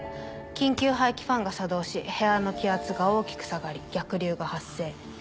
緊急排気ファンが作動し部屋の気圧が大きく下がり逆流が発生。